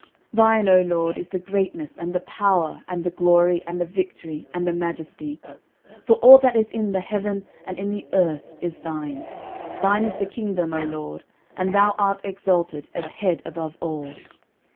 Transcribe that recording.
13:029:011 Thine, O LORD is the greatness, and the power, and the glory, and the victory, and the majesty: for all that is in the heaven and in the earth is thine; thine is the kingdom, O LORD, and thou art exalted as head above all.